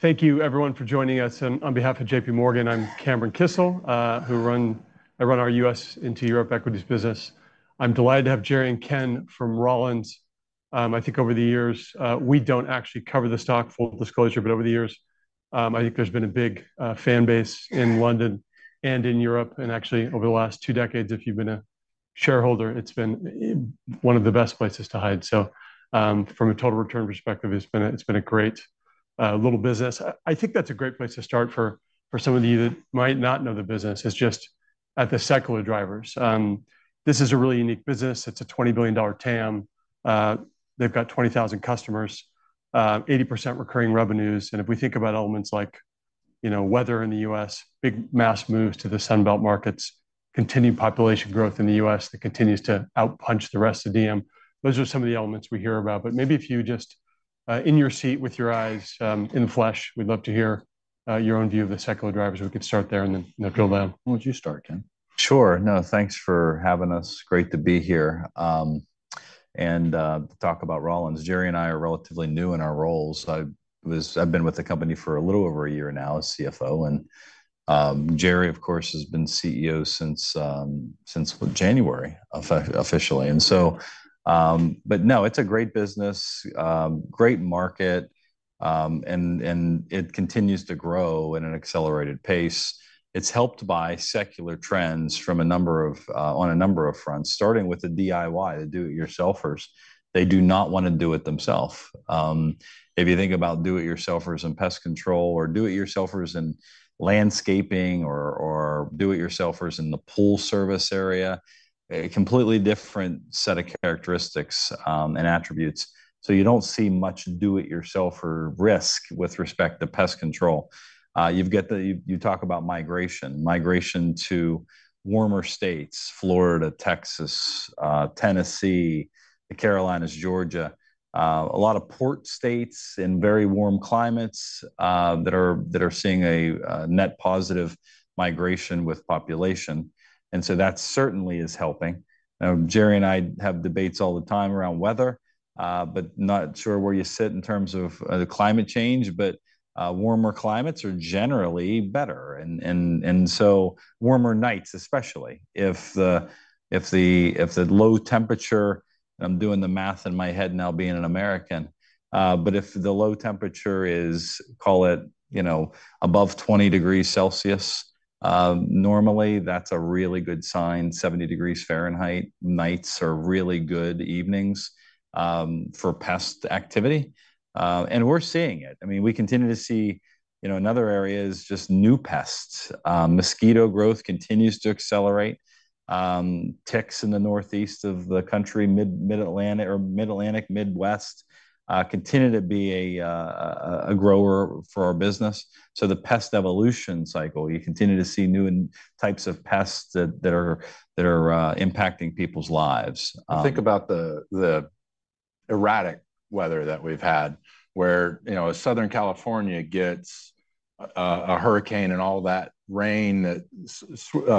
Thank you everyone for joining us, and on behalf of J.P. Morgan, I'm Cameron Kissel, I run our U.S. into Europe Equities business. I'm delighted to have Jerry and Ken from Rollins. I think over the years, we don't actually cover the stock, full disclosure, but over the years, I think there's been a big fan base in London and in Europe, and actually over the last two decades, if you've been a shareholder, it's been one of the best places to hide. So, from a total return perspective, it's been a great little business. I think that's a great place to start for some of you that might not know the business, is just at the secular drivers. This is a really unique business. It's a $20 billion TAM. They've got 20,000 customers, 80% recurring revenues, and if we think about elements like, you know, weather in the U.S., big mass moves to the Sun Belt markets, continued population growth in the U.S. that continues to outpunch the rest of DM. Those are some of the elements we hear about, but maybe if you just, in your seat, with your eyes, in the flesh, we'd love to hear, your own view of the secular drivers. We could start there and then, you know, drill down. Why don't you start, Ken? Sure. No, thanks for having us. Great to be here, and to talk about Rollins. Jerry and I are relatively new in our roles. I've been with the company for a little over a year now as CFO, and Jerry, of course, has been CEO since January, officially. And so, but no, it's a great business, great market, and it continues to grow at an accelerated pace. It's helped by secular trends from a number of, on a number of fronts, starting with the DIY, the do-it-yourselfers. They do not want to do it themselves. If you think about do-it-yourselfers in pest control, or do-it-yourselfers in landscaping, or do-it-yourselfers in the pool service area, a completely different set of characteristics, and attributes. So you don't see much do-it-yourselfers risk with respect to pest control. You talk about migration, migration to warmer states, Florida, Texas, Tennessee, the Carolinas, Georgia, a lot of port states in very warm climates that are seeing a net positive migration with population. And so that certainly is helping. Jerry and I have debates all the time around weather, but not sure where you sit in terms of the climate change, but warmer climates are generally better. And so warmer nights, especially if the low temperature, I'm doing the math in my head now being an American, but if the low temperature is, call it, you know, above 20 degrees Celsius, normally that's a really good sign. 70 degrees Fahrenheit nights are really good evenings for pest activity, and we're seeing it. I mean, we continue to see, you know, another area is just new pests. Mosquito growth continues to accelerate. Ticks in the Northeast of the country, Mid-Atlantic, Midwest continue to be a grower for our business. So the pest evolution cycle, you continue to see new types of pests that are impacting people's lives. Think about the erratic weather that we've had, where, you know, Southern California gets a hurricane and all that rain that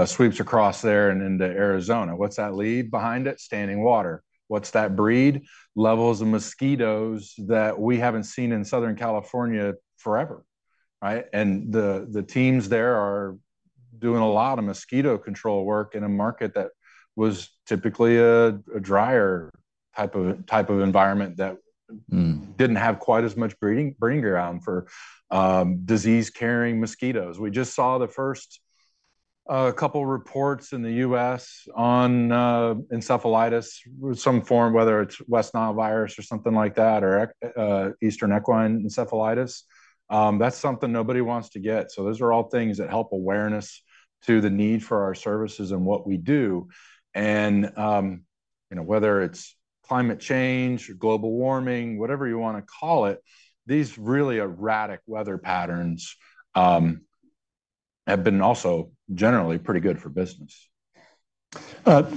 sweeps across there and into Arizona. What's that leave behind it? Standing water. What's that breed? Levels of mosquitoes that we haven't seen in Southern California forever, right? And the teams there are doing a lot of mosquito control work in a market that was typically a drier type of environment that didn't have quite as much breeding, breeding ground for, disease-carrying mosquitoes. We just saw the first, couple reports in the U.S. on, encephalitis, some form, whether it's West Nile virus or something like that, or Eastern equine encephalitis. That's something nobody wants to get. So those are all things that help awareness to the need for our services and what we do. And, you know, whether it's climate change or global warming, whatever you want to call it, these really erratic weather patterns, have been also generally pretty good for business.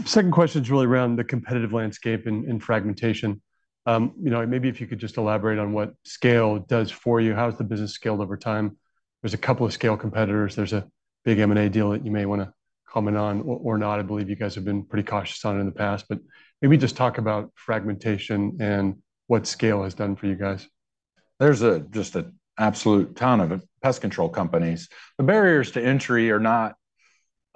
Second question is really around the competitive landscape and, and fragmentation. You know, maybe if you could just elaborate on what scale does for you. How has the business scaled over time? There's a couple of scale competitors. There's a big M&A deal that you may want to comment on or, or not. I believe you guys have been pretty cautious on it in the past, but maybe just talk about fragmentation and what scale has done for you guys. There's just an absolute ton of pest control companies. The barriers to entry are not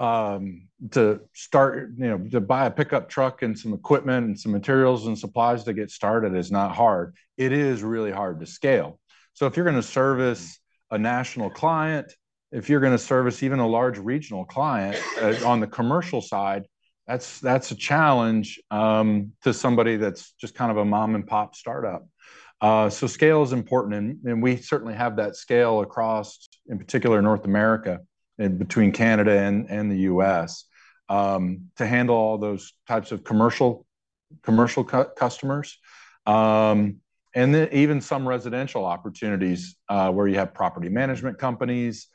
to start—you know, to buy a pickup truck and some equipment and some materials and supplies to get started is not hard. It is really hard to scale. So if you're going to service a national client, if you're going to service even a large regional client on the commercial side, that's a challenge to somebody that's just kind of a mom-and-pop start-up. So scale is important, and we certainly have that scale across, in particular, North America and between Canada and the U.S., to handle all those types of commercial customers. And then even some residential opportunities, where you have property management companies,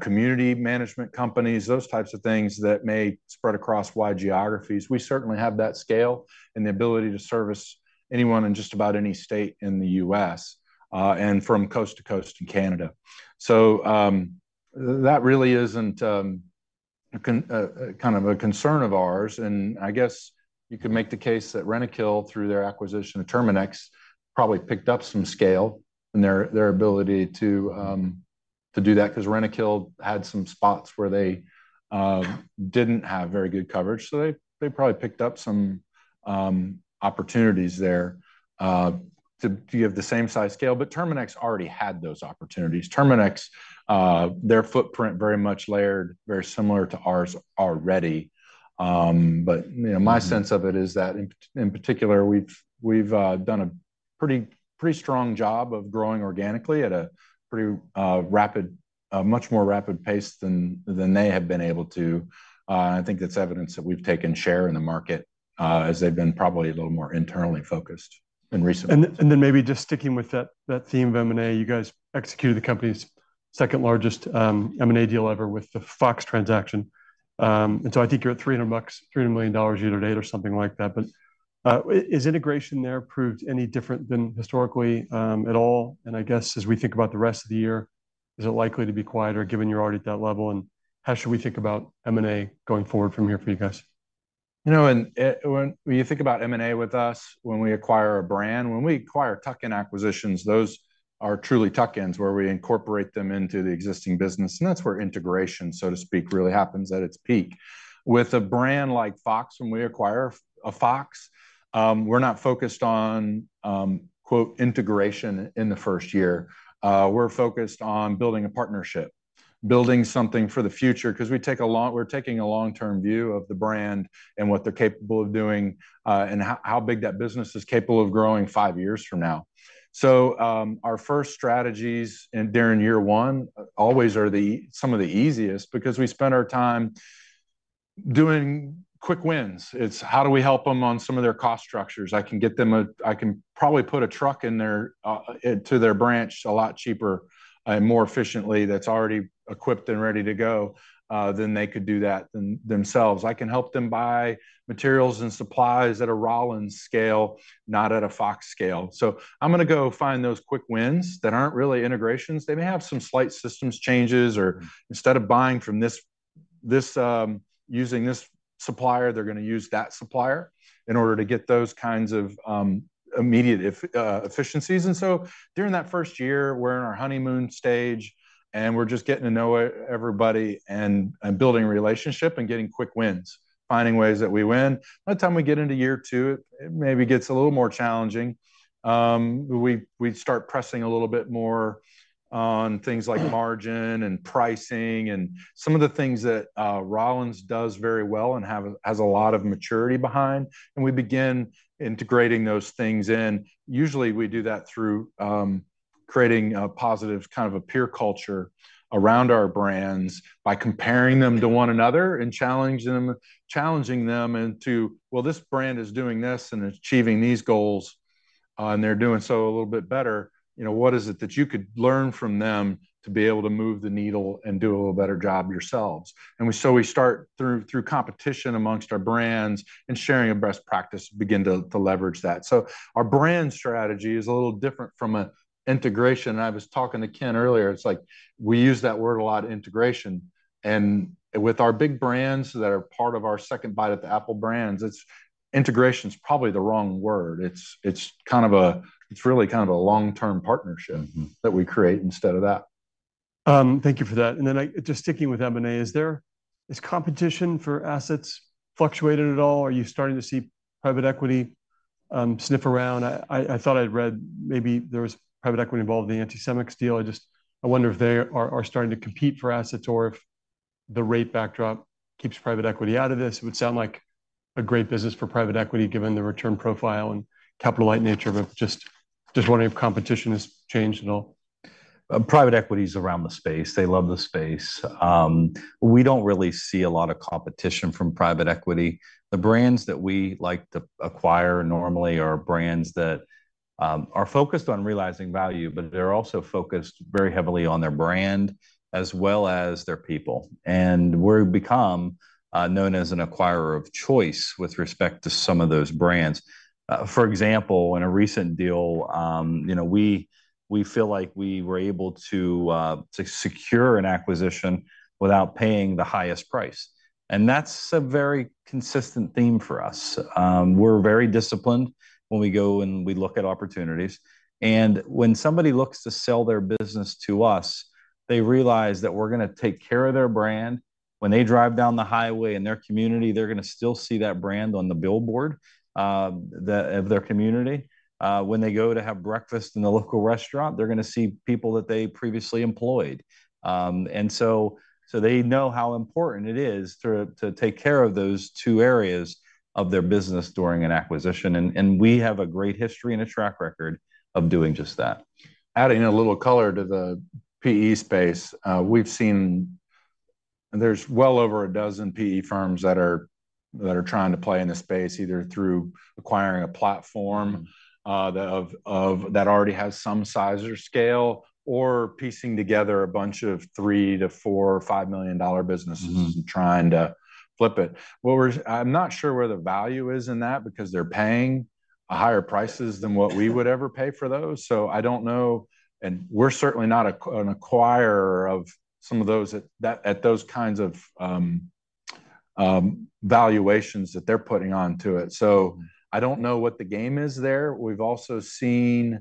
community management companies, those types of things that may spread across wide geographies. We certainly have that scale and the ability to service anyone in just about any state in the U.S., and from coast to coast in Canada. So, that really isn't kind of a concern of ours, and I guess you could make the case that Rentokil, through their acquisition of Terminix, probably picked up some scale in their ability to do that, 'cause Rentokil had some spots where they didn't have very good coverage. So they probably picked up some opportunities there to give the same size scale, but Terminix already had those opportunities. Terminix, their footprint very much layered, very similar to ours already. But you know, my sense of it is that in particular, we've done a pretty strong job of growing organically at a pretty much more rapid pace than they have been able to. I think that's evidence that we've taken share in the market as they've been probably a little more internally focused and recent. Maybe just sticking with that theme of M&A, you guys executed the company's second largest M&A deal ever with the Fox transaction. I think you're at $300 million year to date or something like that. Is integration there proved any different than historically at all? I guess as we think about the rest of the year, is it likely to be quieter, given you're already at that level? How should we think about M&A going forward from here for you guys? You know, and, when, when you think about M&A with us, when we acquire a brand, when we acquire tuck-in acquisitions, those are truly tuck-ins, where we incorporate them into the existing business, and that's where integration, so to speak, really happens at its peak. With a brand like Fox, when we acquire a Fox, we're not focused on, quote, integration in the first year. We're focused on building a partnership, building something for the future, 'cause we're taking a long-term view of the brand and what they're capable of doing, and how, how big that business is capable of growing five years from now. So, our first strategies during year one always are some of the easiest, because we spend our time doing quick wins. It's how do we help them on some of their cost structures? I can probably put a truck in there to their branch a lot cheaper and more efficiently that's already equipped and ready to go than they could do that themselves. I can help them buy materials and supplies at a Rollins scale, not at a Fox scale. So I'm going to go find those quick wins that aren't really integrations. They may have some slight systems changes, or instead of buying from this, using this supplier, they're going to use that supplier in order to get those kinds of immediate efficiencies. And so during that first year, we're in our honeymoon stage, and we're just getting to know everybody and building a relationship and getting quick wins, finding ways that we win. By the time we get into year two, it maybe gets a little more challenging. We start pressing a little bit more on things like margin and pricing and some of the things that Rollins does very well and has a lot of maturity behind, and we begin integrating those things in. Usually, we do that through creating a positive kind of a peer culture around our brands by comparing them to one another and challenging them into, "Well, this brand is doing this and achieving these goals, and they're doing so a little bit better. You know, what is it that you could learn from them to be able to move the needle and do a little better job yourselves?" And so we start through competition amongst our brands and sharing a best practice, begin to leverage that. Our brand strategy is a little different from integration. I was talking to Ken earlier, it's like we use that word a lot, integration, and with our big brands that are part of our second bite at the Apple brands, integration is probably the wrong word. It's kind of a, it's really kind of a long-term partnership that we create instead of that. Thank you for that. Just sticking with M&A, is competition for assets fluctuated at all? Are you starting to see private equity sniff around? I thought I'd read maybe there was private equity involved in the Anticimex deal. I wonder if they are starting to compete for assets or if the rate backdrop keeps private equity out of this. It would sound like a great business for private equity, given the return profile and capital-light nature of it. Just wondering if competition has changed at all. Private equity is around the space. They love the space. We don't really see a lot of competition from private equity. The brands that we like to acquire normally are brands that are focused on realizing value, but they're also focused very heavily on their brand as well as their people. We've become known as an acquirer of choice with respect to some of those brands. For example, in a recent deal, you know, we feel like we were able to to secure an acquisition without paying the highest price. That's a very consistent theme for us. We're very disciplined when we go and we look at opportunities. When somebody looks to sell their business to us, they realize that we're going to take care of their brand. When they drive down the highway in their community, they're going to still see that brand on the billboard of their community. When they go to have breakfast in the local restaurant, they're going to see people that they previously employed. They know how important it is to take care of those two areas of their business during an acquisition, and we have a great history and a track record of doing just that. Adding a little color to the PE space, we've seen. There's well over a dozen PE firms that are trying to play in this space, either through acquiring a platform that already has some size or scale, or piecing together a bunch of $3 million-$4 million or $5 million businesses trying to flip it. What we're-- I'm not sure where the value is in that, because they're paying higher prices than what we would ever pay for those. I don't know, and we're certainly not an acquirer of some of those at those kinds of valuations that they're putting onto it. I don't know what the game is there. We've also seen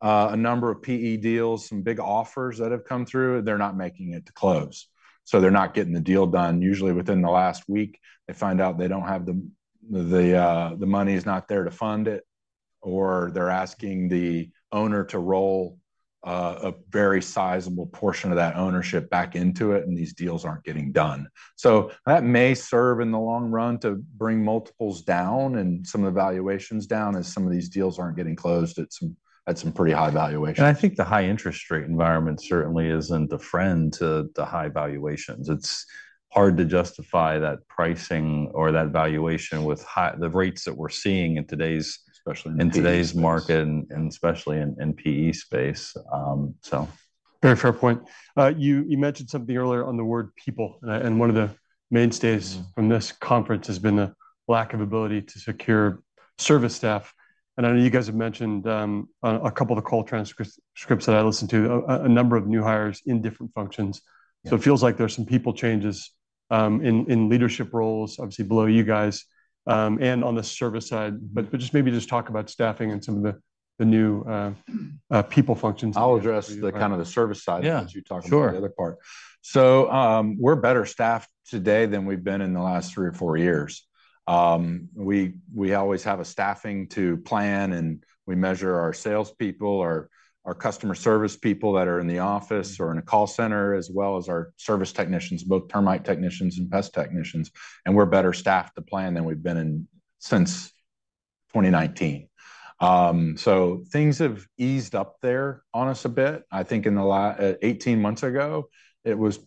a number of PE deals, some big offers that have come through, they're not making it to close. They're not getting the deal done. Usually, within the last week, they find out they don't have the money to fund it, or they're asking the owner to roll a very sizable portion of that ownership back into it, and these deals aren't getting done. So that may serve in the long run to bring multiples down and some of the valuations down, as some of these deals aren't getting closed at some pretty high valuations. I think the high interest rate environment certainly isn't a friend to the high valuations. It's hard to justify that pricing or that valuation with the rates that we're seeing in today's market, and especially in PE space. So. Very fair point. You, you mentioned something earlier on the word people, and one of the mainstays from this conference has been the lack of ability to secure service staff. And I know you guys have mentioned, on a couple of the call transcripts, scripts that I listened to, a number of new hires in different functions. So it feels like there's some people changes, in leadership roles, obviously, below you guys, and on the service side. But just maybe just talk about staffing and some of the new people functions. I'll address the kind of service side- Yeah, sure. As you talk about the other part. So, we're better staffed today than we've been in the last three or four years. We always have a staffing to plan, and we measure our sales people, our customer service people that are in the office or in a call center, as well as our service technicians, both termite technicians and pest technicians, and we're better staffed to plan than we've been since 2019. So things have eased up there on us a bit. I think in the last 18 months ago, it was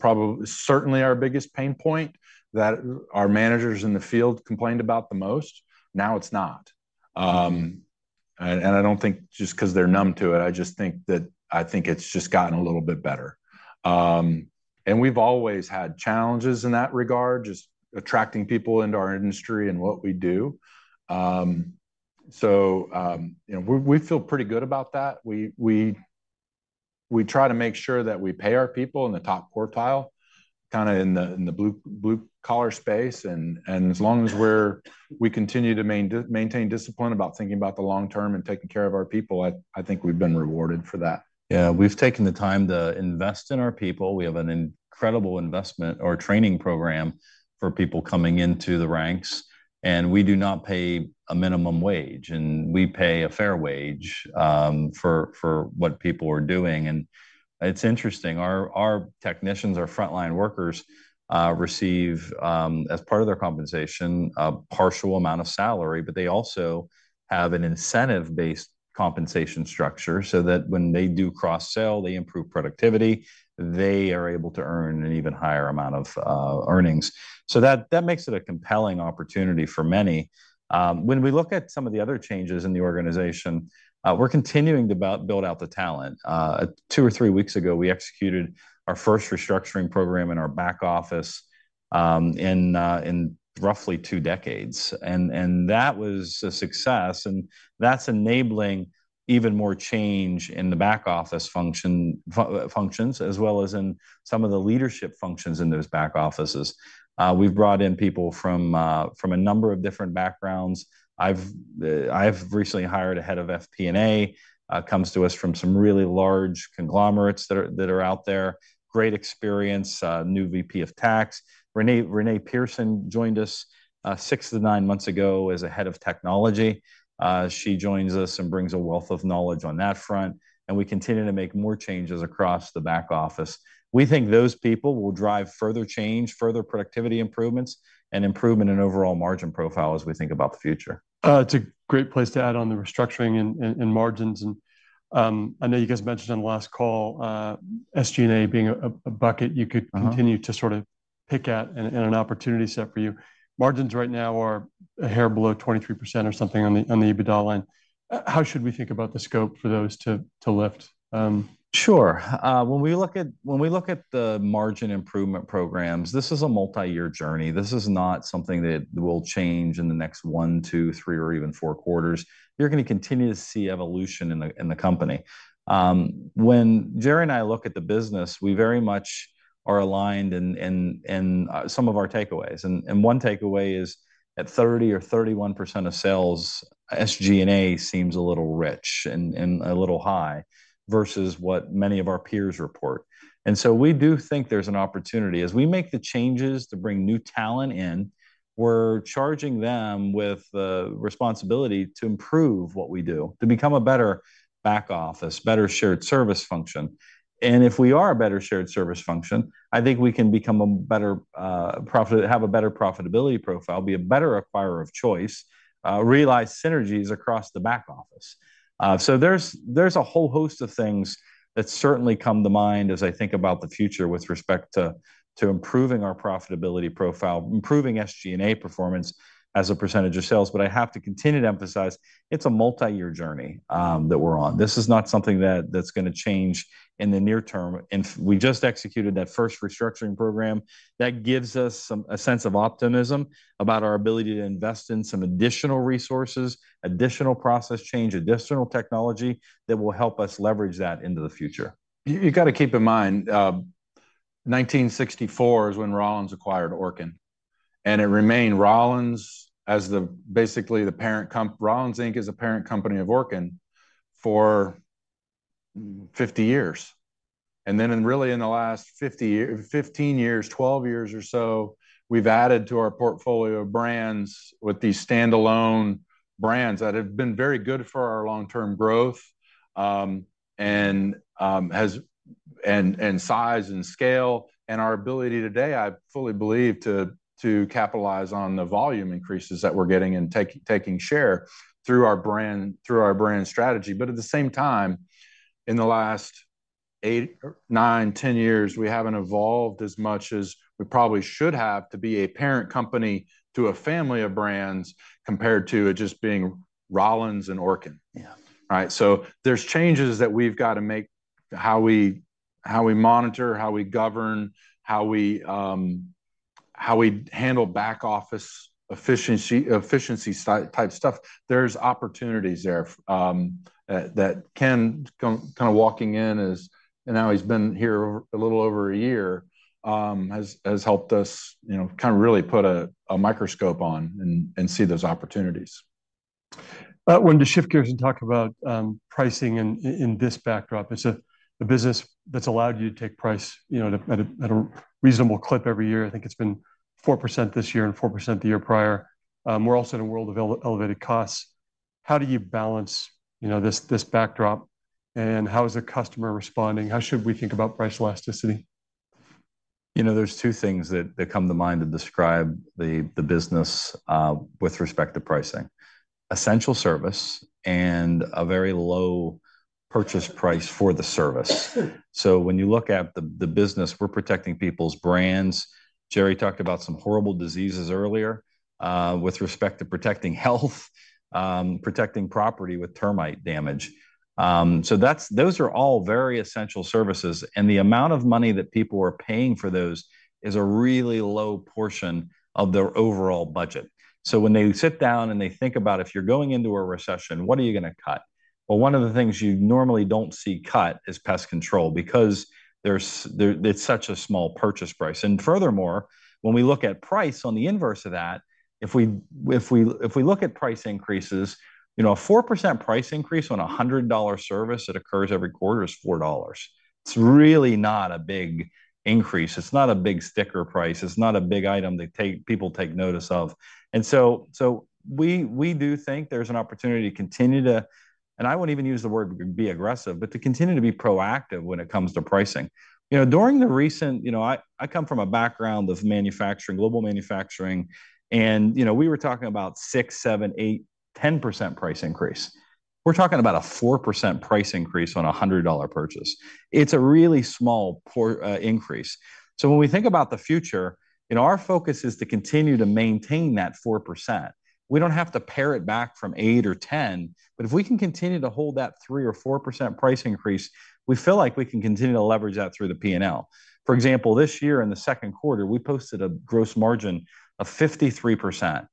certainly our biggest pain point that our managers in the field complained about the most. Now, it's not. And I don't think just 'cause they're numb to it, I just think that I think it's just gotten a little bit better. And we've always had challenges in that regard, just attracting people into our industry and what we do. So, you know, we feel pretty good about that. We try to make sure that we pay our people in the top quartile, kinda in the blue-collar space. And as long as we continue to maintain discipline about thinking about the long term and taking care of our people, I think we've been rewarded for that. Yeah, we've taken the time to invest in our people. We have an incredible investment or training program for people coming into the ranks, and we do not pay a minimum wage, we pay a fair wage for what people are doing. It's interesting, our technicians, our frontline workers, receive, as part of their compensation, a partial amount of salary, but they also have an incentive-based compensation structure so that when they do cross-sell, they improve productivity, they are able to earn an even higher amount of earnings. That makes it a compelling opportunity for many. When we look at some of the other changes in the organization, we're continuing to build out the talent. Two or three weeks ago, we executed our first restructuring program in our back office, in roughly two decades, and that was a success, and that's enabling even more change in the back office function, functions, as well as in some of the leadership functions in those back offices. We've brought in people from a number of different backgrounds. I've recently hired a head of FP&A, comes to us from some really large conglomerates that are out there. Great experience, new VP of tax. Renee Pearson joined us, six to nine months ago as a head of technology. She joins us and brings a wealth of knowledge on that front, and we continue to make more changes across the back office. We think those people will drive further change, further productivity improvements, and improvement in overall margin profile as we think about the future. It's a great place to add on the restructuring and margins. I know you guys mentioned on the last call, SG&A being a bucket you could continue to sort of pick at and an opportunity set for you. Margins right now are a hair below 23% or something on the EBITDA line. How should we think about the scope for those to lift? Sure. When we look at, when we look at the margin improvement programs, this is a multi-year journey. This is not something that will change in the next one, two, three, or even four quarters. You're gonna continue to see evolution in the, in the company. When Jerry and I look at the business, we very much are aligned in some of our takeaways. One takeaway is at 30% or 31% of sales, SG&A seems a little rich and a little high versus what many of our peers report. We do think there's an opportunity. As we make the changes to bring new talent in, we're charging them with the responsibility to improve what we do, to become a better back office, better shared service function. And if we are a better shared service function, I think we can become a better, have a better profitability profile, be a better acquirer of choice, realize synergies across the back office. So there's a whole host of things that certainly come to mind as I think about the future with respect to, to improving our profitability profile, improving SG&A performance as a percentage of sales. But I have to continue to emphasize, it's a multi-year journey, that we're on. This is not something that's gonna change in the near term. And we just executed that first restructuring program. That gives us some a sense of optimism about our ability to invest in some additional resources, additional process change, additional technology that will help us leverage that into the future. You got to keep in mind, 1964 is when Rollins acquired Orkin, and it remained Rollins as basically the parent company. Rollins, Inc. is a parent company of Orkin for 50 years. Really in the last 15 years, 12 years or so, we've added to our portfolio of brands with these standalone brands that have been very good for our long-term growth, and has, and size and scale, and our ability today, I fully believe, to capitalize on the volume increases that we're getting and taking share through our brand, through our brand strategy. At the same time, in the last eight or nine, 10 years, we haven't evolved as much as we probably should have to be a parent company to a family of brands, compared to it just being Rollins and Orkin. Yeah. Right? So there's changes that we've got to make, how we monitor, how we govern, how we handle back office efficiency, efficiency type stuff. There's opportunities there that Ken kind of walking in is, and now he's been here a little over a year, has helped us, you know, kind of really put a microscope on and see those opportunities. Want to shift gears and talk about pricing in this backdrop. It's the business that's allowed you to take price, you know, at a reasonable clip every year. I think it's been 4% this year and 4% the year prior. We're also in a world of elevated costs. How do you balance, you know, this backdrop? And how is the customer responding? How should we think about price elasticity? You know, there's two things that come to mind to describe the business with respect to pricing: essential service and a very low purchase price for the service. So when you look at the business, we're protecting people's brands. Jerry talked about some horrible diseases earlier with respect to protecting health, protecting property with termite damage. So that's those are all very essential services, and the amount of money that people are paying for those is a really low portion of their overall budget. So when they sit down, and they think about if you're going into a recession, what are you going to cut? Well, one of the things you normally don't see cut is pest control because there's it's such a small purchase price. Furthermore, when we look at price on the inverse of that, if we look at price increases, a 4% price increase on a $100 service that occurs every quarter is $4. It's really not a big increase. It's not a big sticker price. It's not a big item that people take notice of. We do think there's an opportunity to continue to, and I won't even use the word be aggressive, but to continue to be proactive when it comes to pricing. You know, during the recent—you know, I come from a background of manufacturing, global manufacturing, and, you know, we were talking about 6%, 7%, 8%, 10% price increase. We're talking about a 4% price increase on a $100 purchase. It's a really small increase. When we think about the future, and our focus is to continue to maintain that 4%, we don't have to pare it back from 8% or 10%, but if we can continue to hold that 3%-4% price increase, we feel like we can continue to leverage that through the P&L. For example, this year in the second quarter, we posted a gross margin of 53%,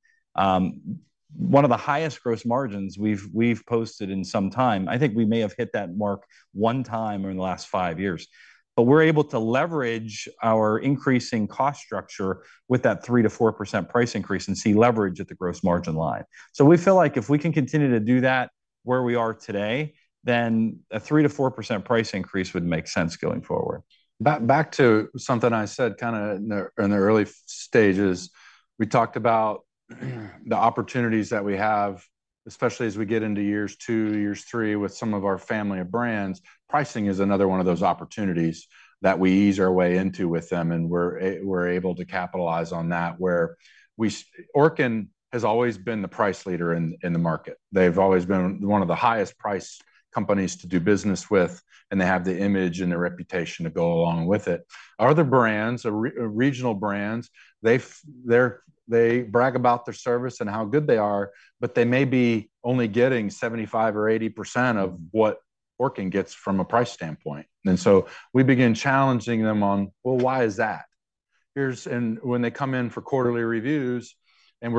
one of the highest gross margins we've posted in some time. I think we may have hit that mark one time in the last five years. But we're able to leverage our increasing cost structure with that 3%-4% price increase and see leverage at the gross margin line. So we feel like if we can continue to do that where we are today, then a 3%-4% price increase would make sense going forward. Back to something I said kind of in the early stages, we talked about the opportunities that we have, especially as we get into years two, years three, with some of our family of brands. Pricing is another one of those opportunities that we ease our way into with them, and we're able to capitalize on that, where Orkin has always been the price leader in the market. They've always been one of the highest-priced companies to do business with, and they have the image and the reputation to go along with it. Other brands, regional brands, they brag about their service and how good they are, but they may be only getting 75% or 80% of what Orkin gets from a price standpoint. We begin challenging them on, "Well, why is that?" When they come in for quarterly reviews, and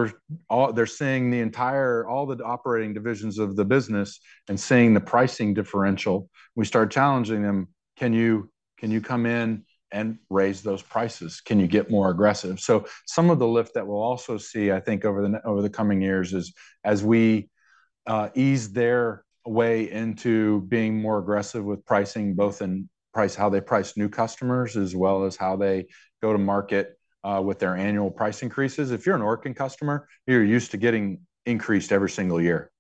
they're seeing the entire, all the operating divisions of the business and seeing the pricing differential, we start challenging them: "Can you, can you come in and raise those prices? Can you get more aggressive?" Some of the lift that we'll also see, I think, over the coming years is as we ease their way into being more aggressive with pricing, both in price, how they price new customers, as well as how they go to market with their annual price increases. If you're an Orkin customer, you're used to getting increased every single year.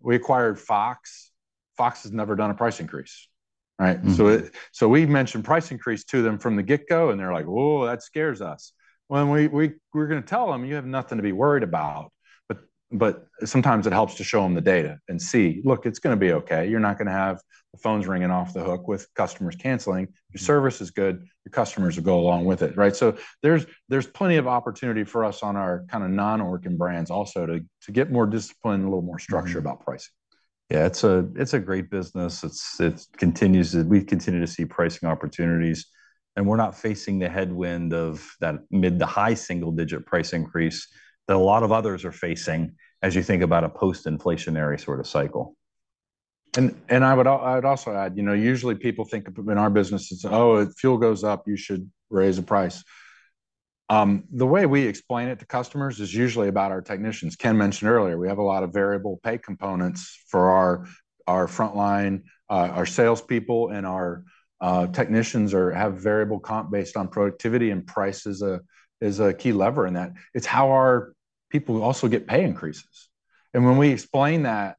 We acquired Fox. Fox has never done a price increase, right? Mm-hmm. So we mentioned price increase to them from the get-go, and they're like, "Oh, that scares us." Well, we're going to tell them, "You have nothing to be worried about," but sometimes it helps to show them the data and see, look, it's going to be okay. You're not going to have the phones ringing off the hook with customers canceling. Your service is good. Your customers will go along with it, right? So there's plenty of opportunity for us on our kind of non-Orkin brands also to get more discipline and a little more structure about pricing. Yeah, it's a great business. It continues to—we continue to see pricing opportunities, and we're not facing the headwind of that mid- to high single-digit price increase that a lot of others are facing as you think about a post-inflationary sort of cycle. I would also add, you know, usually people think of in our business as, "Oh, if fuel goes up, you should raise the price." The way we explain it to customers is usually about our technicians. Ken mentioned earlier, we have a lot of variable pay components for our frontline, our salespeople and our technicians have variable comp based on productivity, and price is a key lever in that. It's how our people also get pay increases. And when we explain that,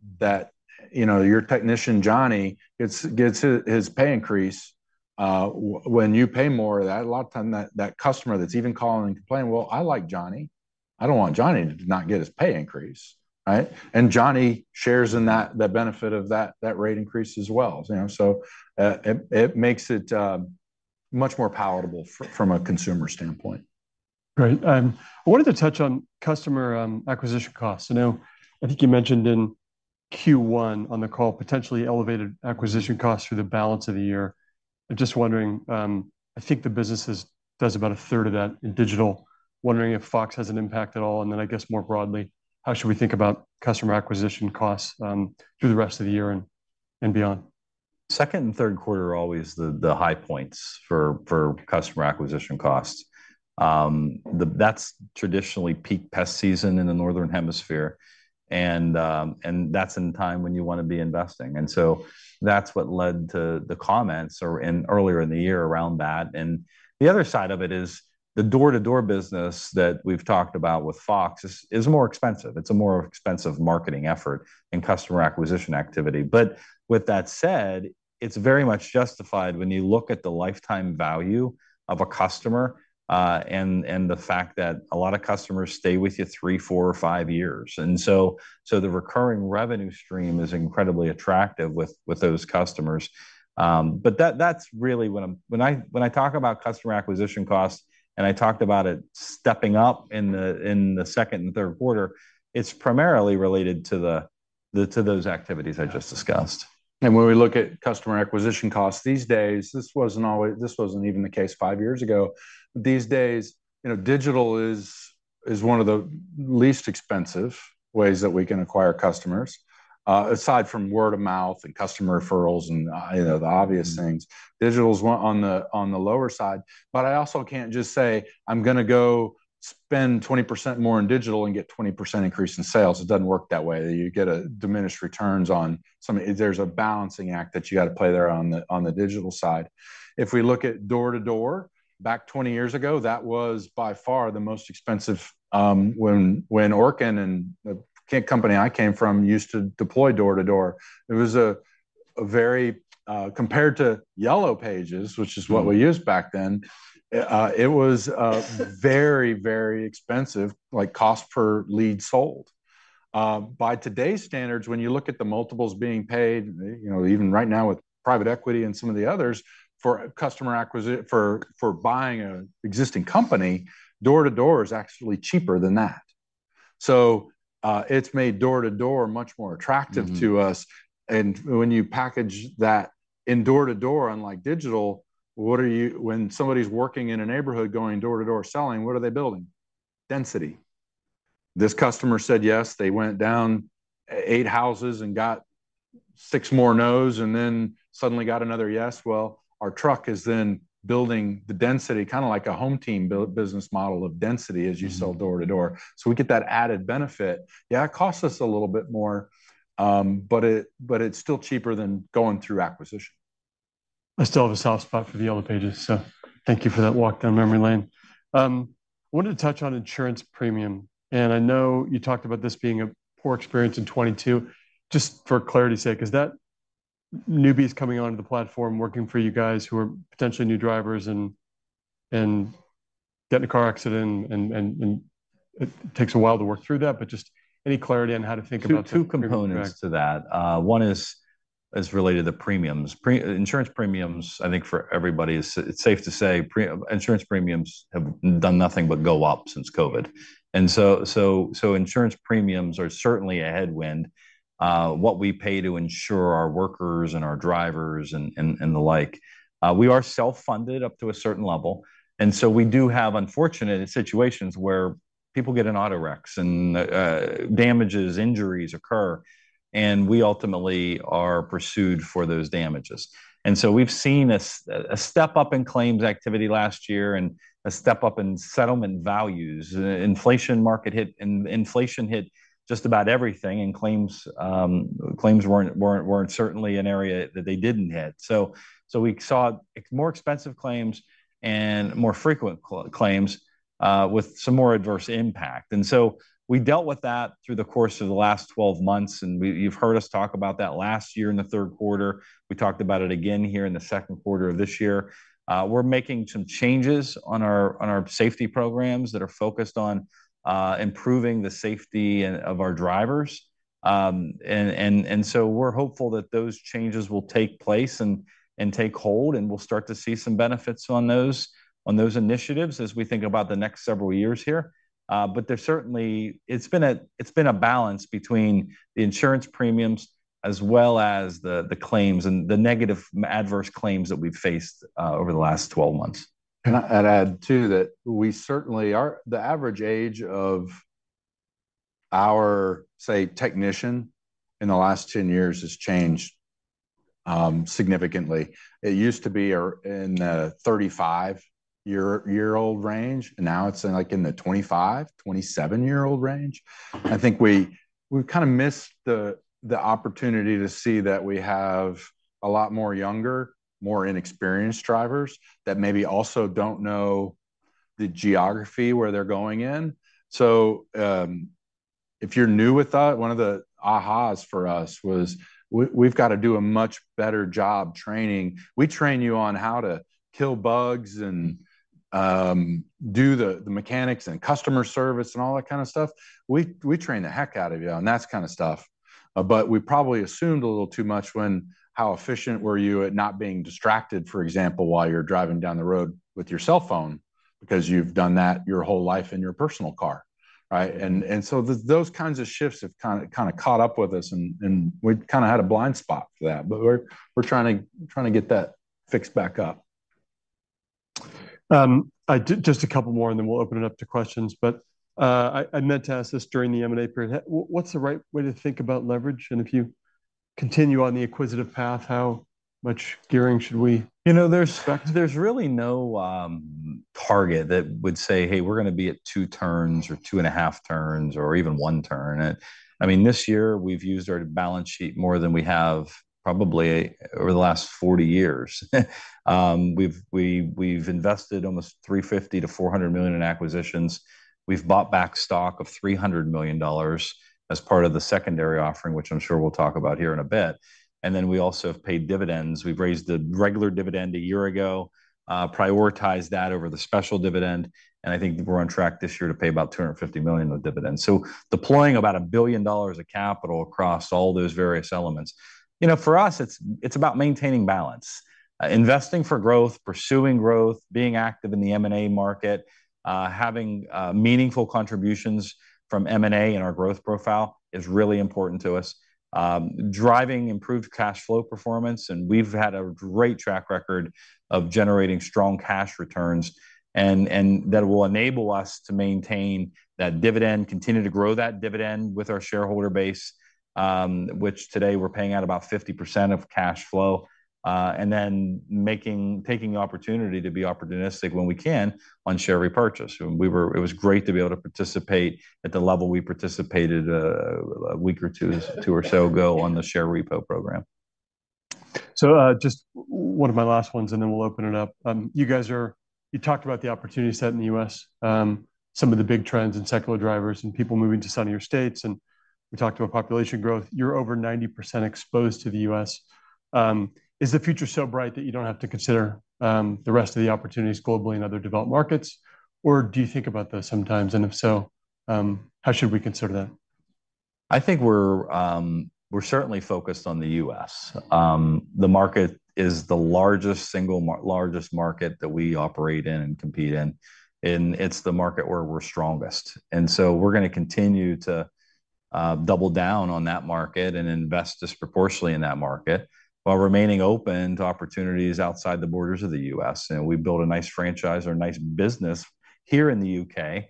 you know, your technician, Johnny, gets his pay increase when you pay more, that a lot of time that customer that's even calling and complaining, "Well, I like Johnny. I don't want Johnny to not get his pay increase," right? Johnny shares in that, the benefit of that, that rate increase as well, you know. So, it makes it much more palatable from a consumer standpoint. Great. I wanted to touch on customer acquisition costs. I know, I think you mentioned in Q1 on the call, potentially elevated acquisition costs through the balance of the year. I'm just wondering, I think the business does about a third of that in digital. Wondering if Fox has an impact at all, and then I guess more broadly, how should we think about customer acquisition costs through the rest of the year and beyond? Second and third quarters are always the high points for customer acquisition costs. That's traditionally peak pest season in the northern hemisphere, and that's in the time when you want to be investing. And so that's what led to the comments Orkin earlier in the year around that. And the other side of it is the door-to-door business that we've talked about with Fox is more expensive. It's a more expensive marketing effort and customer acquisition activity. But with that said, it's very much justified when you look at the lifetime value of a customer, and the fact that a lot of customers stay with you three, four, or five years. And so the recurring revenue stream is incredibly attractive with those customers. But that's really when I talk about customer acquisition costs, and I talked about it stepping up in the second and third quarter. It's primarily related to those activities I just discussed. When we look at customer acquisition costs these days, this wasn't even the case five years ago. These days, you know, digital is one of the least expensive ways that we can acquire customers, aside from word of mouth, and customer referrals, and, you know, the obvious things. Digital's one on the lower side, but I also can't just say, "I'm going to go spend 20% more in digital and get 20% increase in sales." It doesn't work that way. You get diminished returns on some. There's a balancing act that you got to play there on the digital side. If we look at door to door, back 20 years ago, that was by far the most expensive, when Orkin and the company I came from used to deploy door to door, it was a very. Compared to Yellow Pages, which is what we used back then, it was very, very expensive, like, cost per lead sold. By today's standards, when you look at the multiples being paid, you know, even right now with private equity and some of the others, for customer acquisition, for buying an existing company, door to door is actually cheaper than that. So, it's made door to door much more attractive to us. And when you package that in door to door, unlike digital, what are you, when somebody's working in a neighborhood, going door to door selling, what are they building? Density. This customer said, "Yes," they went down eight houses and got six more no's, and then suddenly got another yes. Well, our truck is then building the density, kind of like a HomeTeam business model of density, as you sell door to door. So we get that added benefit. Yeah, it costs us a little bit more, but it, but it's still cheaper than going through acquisition. I still have a soft spot for the Yellow Pages, so thank you for that walk down memory lane. I wanted to touch on insurance premium, and I know you talked about this being a poor experience in 2022. Just for clarity's sake, is that newbies coming onto the platform, working for you guys, who are potentially new drivers and it takes a while to work through that, but just any clarity on how to think about- Two components to that. One is related to premiums. Insurance premiums, I think for everybody, it's safe to say, insurance premiums have done nothing but go up since COVID. And so insurance premiums are certainly a headwind, what we pay to insure our workers and our drivers, and the like. We are self-funded up to a certain level, and so we do have unfortunate situations where people get in auto wrecks, and damages, injuries occur, and we ultimately are pursued for those damages. And so we've seen a step up in claims activity last year and a step up in settlement values. Inflation market hit, and inflation hit just about everything, and claims weren't certainly an area that they didn't hit. So we saw more expensive claims and more frequent claims with some more adverse impact. And so we dealt with that through the course of the last 12 months, and you've heard us talk about that last year in the third quarter. We talked about it again here in the second quarter of this year. We're making some changes on our safety programs that are focused on improving the safety of our drivers. And so we're hopeful that those changes will take place and take hold, and we'll start to see some benefits on those initiatives as we think about the next several years here. But there's certainly... It's been a balance between the insurance premiums, as well as the claims and the negative adverse claims that we've faced over the last 12 months. Can I add to that? We certainly are—the average age of our, say, technician in the last 10 years has changed significantly. It used to be in the 35-year-old range, and now it's in, like, the 25-27 year-old range. I think we, we've kind of missed the opportunity to see that we have a lot more younger, more inexperienced drivers, that maybe also don't know the geography where they're going in. So, if you're new with that, one of the ah-has for us was we, we've got to do a much better job training. We train you on how to kill bugs and do the mechanics and customer service, and all that kind of stuff. We, we train the heck out of you on that kind of stuff. But we probably assumed a little too much when, how efficient were you at not being distracted, for example, while you're driving down the road with your cell phone? Because you've done that your whole life in your personal car, right? And so those kinds of shifts have kind of caught up with us, and we've kind of had a blind spot for that. But we're trying to get that fixed back up. Just a couple more, and then we'll open it up to questions. But, I meant to ask this during the M&A period. What's the right way to think about leverage? And if you continue on the acquisitive path, how much gearing should we expect? You know, there's really no target that would say, "Hey, we're going to be at 2.0 turns or 2.5 turns, or even 1.0 turn." I mean, this year we've used our balance sheet more than we have probably over the last 40 years. We've invested almost $350 million-$400 million in acquisitions. We've bought back stock of $300 million as part of the secondary offering, which I'm sure we'll talk about here in a bit. And then, we also have paid dividends. We've raised the regular dividend a year ago, prioritized that over the special dividend, and I think we're on track this year to pay about $250 million of dividends. So deploying about $1 billion of capital across all those various elements. You know, for us, it's about maintaining balance. Investing for growth, pursuing growth, being active in the M&A market, having meaningful contributions from M&A in our growth profile is really important to us. Driving improved cash flow performance, and we've had a great track record of generating strong cash returns. And that will enable us to maintain that dividend, continue to grow that dividend with our shareholder base, which today we're paying out about 50% of cash flow. And then taking the opportunity to be opportunistic when we can on share repurchase. It was great to be able to participate at the level we participated, a week or two or so ago on the share repo program. So, just one of my last ones, and then we'll open it up. You talked about the opportunity set in the U.S., some of the big trends and secular drivers, and people moving to sunnier states, and we talked about population growth. You're over 90% exposed to the U.S.. Is the future so bright that you don't have to consider the rest of the opportunities globally in other developed markets, or do you think about those sometimes? And if so, how should we consider that? I think we're, we're certainly focused on the U.S. The market is the largest, single largest market that we operate in and compete in, and it's the market where we're strongest. We're going to continue to double down on that market and invest disproportionately in that market, while remaining open to opportunities outside the borders of the U.S. We've built a nice franchise or a nice business here in the U.K.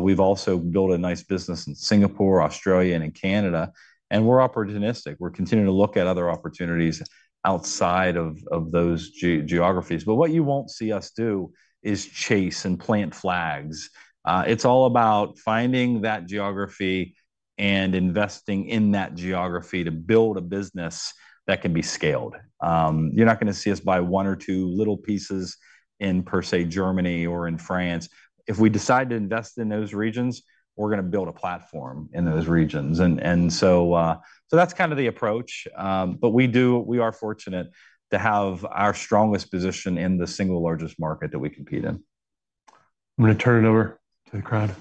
We've also built a nice business in Singapore, Australia, and in Canada, and we're opportunistic. We're continuing to look at other opportunities outside of those geographies. What you won't see us do is chase and plant flags. It's all about finding that geography and investing in that geography to build a business that can be scaled. You're not going to see us buy one or two little pieces in, per se, Germany or in France. If we decide to invest in those regions, we're going to build a platform in those regions. So that's kind of the approach. But we are fortunate to have our strongest position in the single largest market that we compete in. I'm going to turn it over to the crowd.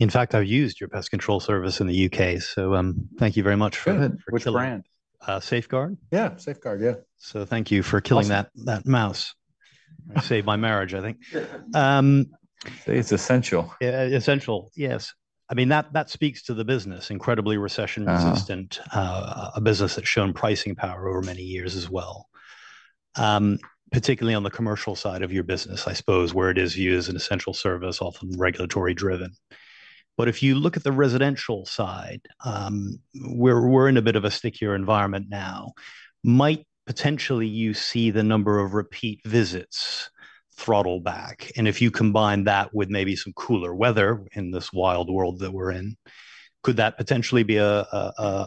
In fact, I've used your pest control service in the U.K., so, thank you very much for- Good. Which brand? Uh, Safeguard. Yeah, Safeguard, yeah. Thank you for killing that- Awesome.... that mouse. It saved my marriage, I think. It's essential. Yeah, essential, yes. I mean, that, that speaks to the business, incredibly recession-resistant- A business that's shown pricing power over many years as well. Particularly on the commercial side of your business, I suppose, where it is viewed as an essential service, often regulatory-driven. But if you look at the residential side, we're in a bit of a stickier environment now. Might potentially you see the number of repeat visits throttle back, and if you combine that with maybe some cooler weather in this wild world that we're in, could that potentially be a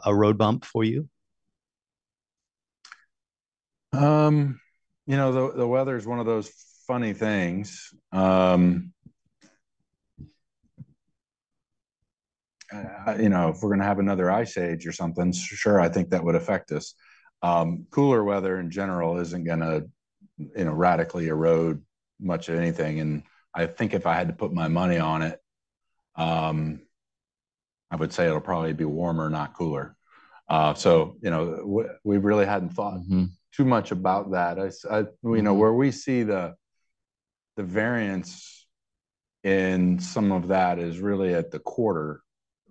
road bump for you? You know, the weather is one of those funny things. You know, if we're going to have another ice age or something, sure, I think that would affect us. Cooler weather, in general, isn't going to, you know, radically erode much of anything, and I think if I had to put my money on it, I would say it'll probably be warmer, not cooler. So, you know, we really hadn't thought too much about that. I, you know, where we see the variance and some of that is really at the quarter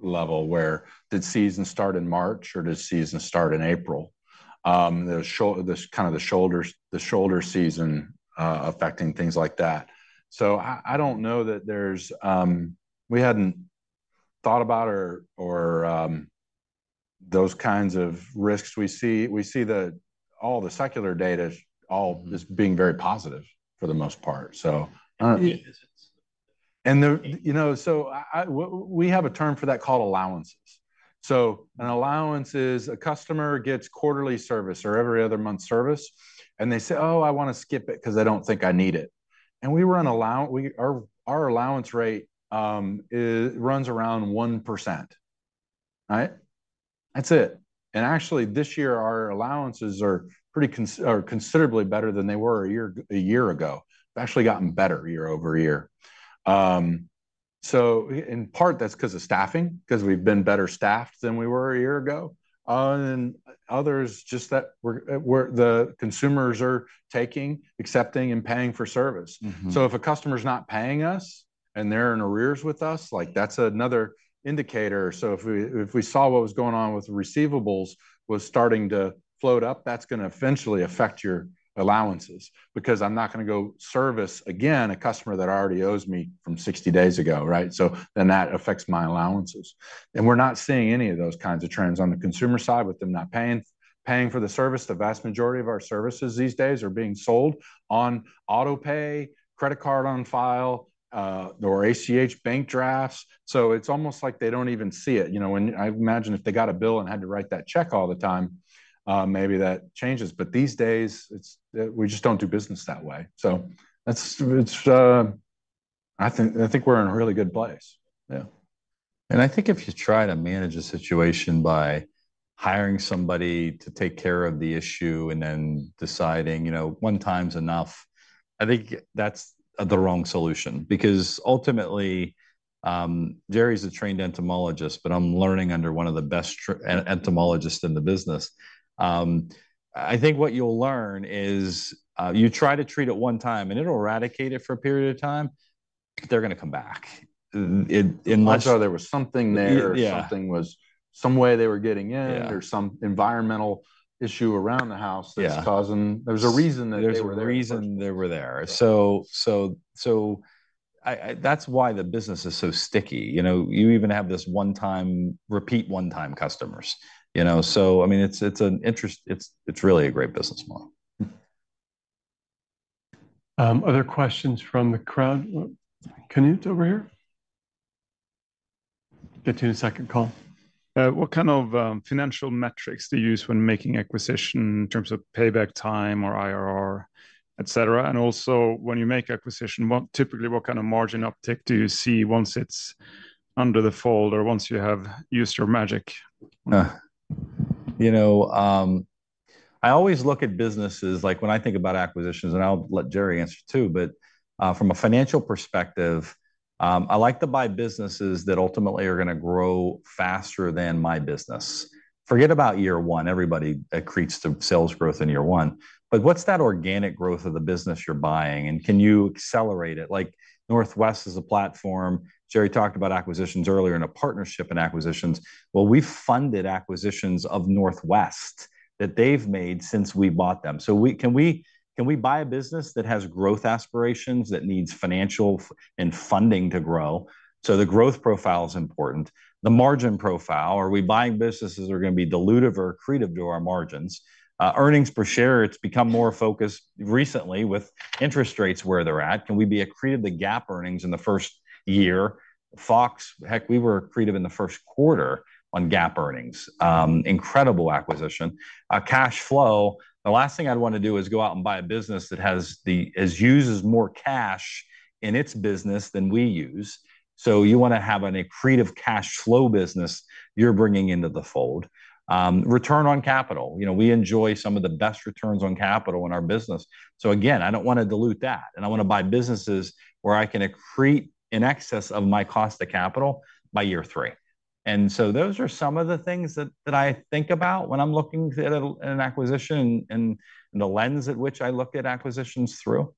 level, where did season start in March or did season start in April? This kind of the shoulder, the shoulder season, affecting things like that. So I, I don't know that there's, we hadn't thought about or, or, those kinds of risks. We see, we see all the secular data is all just being very positive for the most part, so, You know, we have a term for that called allowances. An allowance is a customer gets quarterly service or every other month service, and they say: "Oh, I want to skip it 'cause I don't think I need it." We run allow-- our allowance rate, it runs around 1%, right? That's it. Actually, this year, our allowances are pretty cons-- are considerably better than they were a year, a year ago. They've actually gotten better year over year. In part that's 'cause of staffing, 'cause we've been better staffed than we were a year ago. Others, just that we're-- the consumers are taking, accepting, and paying for service. Mm-hmm. So if a customer is not paying us, and they're in arrears with us, like, that's another indicator. So if we saw what was going on with the receivables was starting to float up, that's going to eventually affect your allowances, because I'm not going to go service again a customer that already owes me from 60 days ago, right? So then that affects my allowances. And we're not seeing any of those kinds of trends on the consumer side, with them not paying, paying for the service. The vast majority of our services these days are being sold on auto pay, credit card on file, or ACH bank drafts. So it's almost like they don't even see it. You know, I imagine if they got a bill and had to write that check all the time, maybe that changes, but these days, it's we just don't do business that way. So that's, it's, I think, I think we're in a really good place. Yeah. I think if you try to manage a situation by hiring somebody to take care of the issue and then deciding, you know, one time's enough, I think that's the wrong solution. Because ultimately, Jerry's a trained entomologist, but I'm learning under one of the best entomologists in the business. I think what you'll learn is, you try to treat it one time, and it'll eradicate it for a period of time, but they're going to come back. In most- Until there was something there- Yeah. Something was, some way they were getting in. Yeah. or some environmental issue around the house Yeah. that's causing... There's a reason that they were there. There's a reason they were there. Yeah. So, that's why the business is so sticky. You know, you even have this one-time, repeat one-time customers, you know? So I mean, it's—it's really a great business model. Other questions from the crowd? Knut, over here. Get to you in a second, Cole. What kind of financial metrics do you use when making acquisition in terms of payback time or IRR, et cetera? Also, when you make acquisition, typically, what kind of margin uptick do you see once it's under the fold or once you have used your magic? You know, I always look at businesses, like when I think about acquisitions, and I'll let Jerry answer, too, but from a financial perspective, I like to buy businesses that ultimately are going to grow faster than my business. Forget about year one. Everybody accretes the sales growth in year one. What's that organic growth of the business you're buying, and can you accelerate it? Like, Northwest is a platform. Jerry talked about acquisitions earlier, and a partnership in acquisitions. Well, we've funded acquisitions of Northwest that they've made since we bought them. Can we buy a business that has growth aspirations, that needs financial and funding to grow? The growth profile is important. The margin profile, are we buying businesses that are going to be dilutive or accretive to our margins? Earnings per share, it's become more focused recently with interest rates where they're at. Can we be accretive to GAAP earnings in the first year? Fox, heck, we were accretive in the first quarter on GAAP earnings. Incredible acquisition. Cash flow, the last thing I'd want to do is go out and buy a business that has uses more cash in its business than we use. So you want to have an accretive cash flow business you're bringing into the fold. Return on capital. You know, we enjoy some of the best returns on capital in our business. So again, I don't want to dilute that, and I want to buy businesses where I can accrete in excess of my cost to capital by year three. And so those are some of the things that I think about when I'm looking at an acquisition and the lens at which I look at acquisitions through.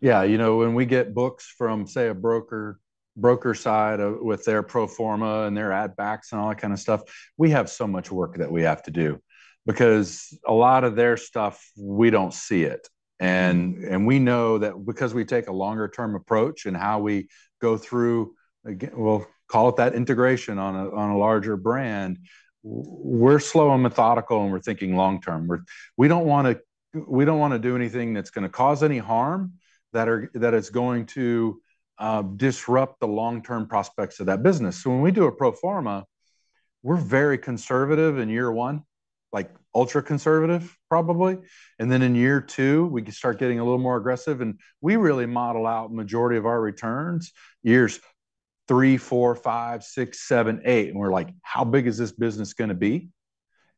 Yeah, you know, when we get books from, say, a broker, broker side with their pro forma and their add backs and all that kind of stuff, we have so much work that we have to do because a lot of their stuff, we don't see it. And we know that because we take a longer-term approach in how we go through, again, we'll call it that integration on a, on a larger brand, we're slow and methodical, and we're thinking long term. We're, we don't want to, we don't want to do anything that's going to cause any harm, that is going to disrupt the long-term prospects of that business. So when we do a pro forma, we're very conservative in year one, like ultra-conservative, probably. And then in year two, we can start getting a little more aggressive, and we really model out majority of our returns, years three, four, five, six, seven, eight, and we're like: How big is this business going to be?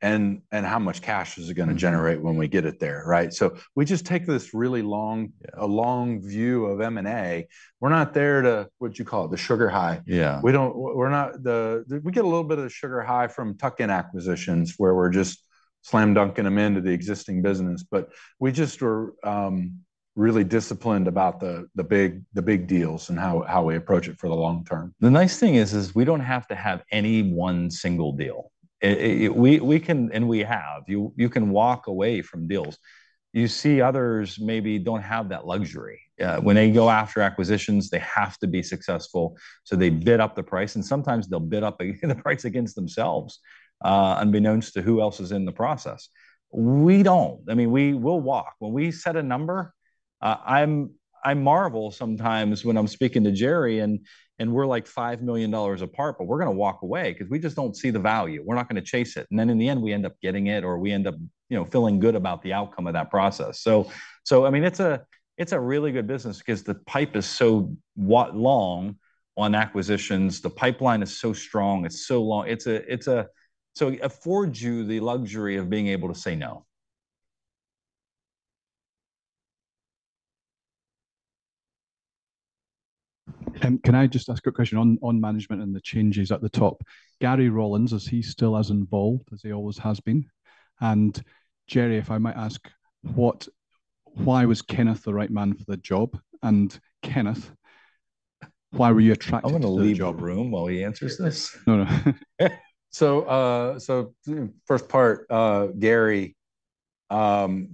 And, and how much cash is it going to generate when we get it there, right? So we just take this really long, a long view of M&A. We're not there to, what you call it, the sugar high. Yeah. We don't. We're not the. We get a little bit of the sugar high from tuck-in acquisitions, where we're just slam dunking them into the existing business. But we just were really disciplined about the big deals and how we approach it for the long term. The nice thing is, we don't have to have any one single deal. We can, and we have, you can walk away from deals. You see others maybe don't have that luxury. When they go after acquisitions, they have to be successful, so they bid up the price, and sometimes they'll bid up the price against themselves, unbeknownst to who else is in the process. We don't. I mean, we'll walk. When we set a number, I marvel sometimes when I'm speaking to Jerry, and we're like $5 million apart, but we're going to walk away 'cause we just don't see the value. We're not going to chase it, and then, in the end, we end up getting it or we end up, you know, feeling good about the outcome of that process. So, I mean, it's a really good business because the pipeline is so strong, it's so long. So it affords you the luxury of being able to say no. Can I just ask a question on management and the changes at the top? Gary Rollins, is he still as involved as he always has been? And Jerry, if I might ask, why was Kenneth the right man for the job? And Kenneth, why were you attracted to the job? I'm going to leave the room while he answers this. No, no. First part, Gary.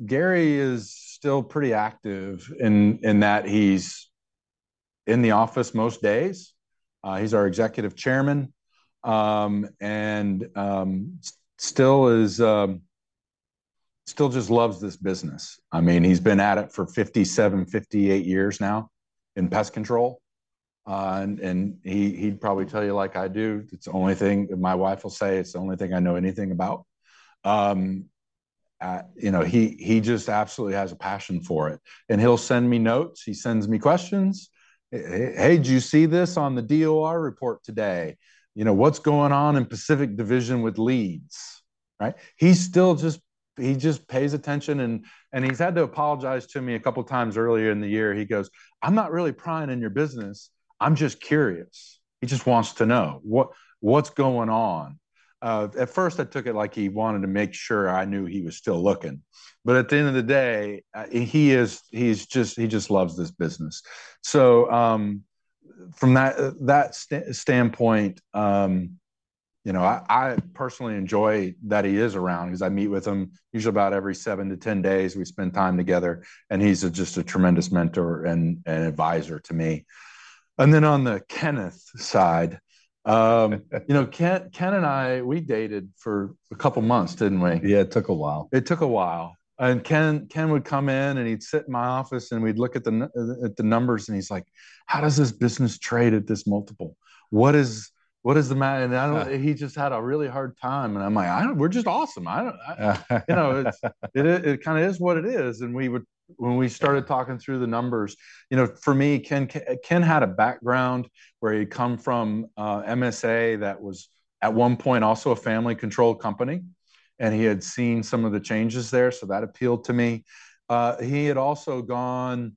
Gary is still pretty active in that he's in the office most days. He's our Executive Chairman, and still just loves this business. I mean, he's been at it for 57, 58 years now in pest control. He'd probably tell you, like I do, it's the only thing—my wife will say, "It's the only thing I know anything about." You know, he just absolutely has a passion for it. He'll send me notes. He sends me questions. "Hey, hey, hey, did you see this on the DOR report today? You know, what's going on in Pacific Division with leads?" Right? He still just—he just pays attention, and he's had to apologize to me a couple times earlier in the year. He goes, "I'm not really prying in your business. I'm just curious." He just wants to know, "What, what's going on?" At first, I took it like he wanted to make sure I knew he was still looking. At the end of the day, he is-- he's just, he just loves this business. From that standpoint, you know, I, I personally enjoy that he is around because I meet with him usually about every seven to ten days, we spend time together, and he's just a tremendous mentor and an advisor to me. On the Kenneth side, you know, Ken, Ken and I, we dated for a couple of months, didn't we? Yeah, it took a while. It took a while. Ken would come in, and he'd sit in my office, and we'd look at the numbers, and he's like: "How does this business trade at this multiple? What is, what is the matter?" I don't know, he just had a really hard time, and I'm like, "I don't-- we're just awesome. I don't-- you know, it, it kind of is what it is." We would-- when we started talking through the numbers, you know, for me, Ken had a background where he'd come from MSA, that was, at one point, also a family-controlled company, and he had seen some of the changes there, so that appealed to me. He had also gone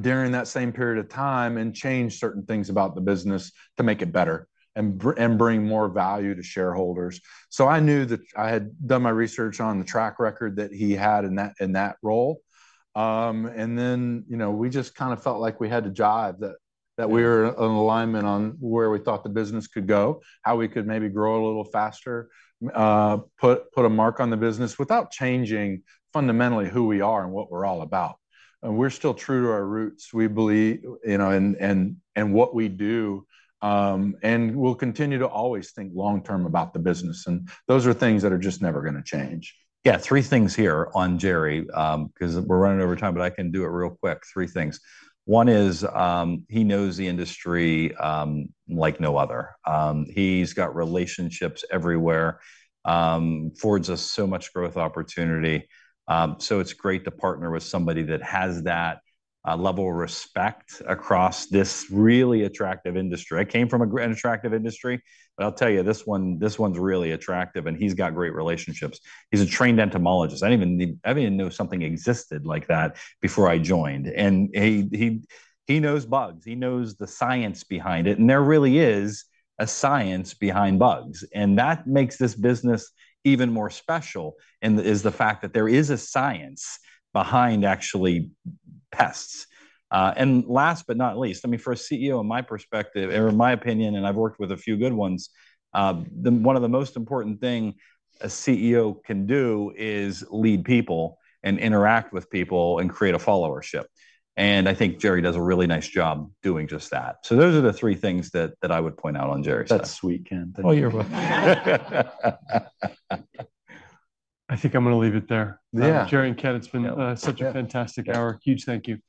during that same period of time and changed certain things about the business to make it better and bring more value to shareholders. So I knew that I had done my research on the track record that he had in that role. And then, you know, we just kind of felt like we had to jive, that we were in alignment on where we thought the business could go, how we could maybe grow a little faster, put a mark on the business without changing fundamentally who we are and what we're all about. And we're still true to our roots. We believe, you know, and what we do, and we'll continue to always think long term about the business, and those are things that are just never going to change. Yeah, three things here on Jerry, 'cause we're running over time, but I can do it real quick. Three things. One is, he knows the industry, like no other. He's got relationships everywhere, affords us so much growth opportunity. It's great to partner with somebody that has that level of respect across this really attractive industry. I came from a great, an attractive industry, but I'll tell you, this one, this one's really attractive, and he's got great relationships. He's a trained entomologist. I didn't even, I didn't know something existed like that before I joined. He knows bugs, he knows the science behind it, and there really is a science behind bugs, and that makes this business even more special, is the fact that there is a science behind actually pests. Last but not least, I mean, for a CEO, in my perspective or in my opinion, and I've worked with a few good ones, one of the most important thing a CEO can do is lead people and interact with people and create a followership. I think Jerry does a really nice job doing just that. Those are the three things that I would point out on Jerry. That's sweet, Ken. Thank you. Oh, you're welcome. I think I'm going to leave it there. Yeah. Jerry and Ken, it's been such a fantastic hour. Huge thank you.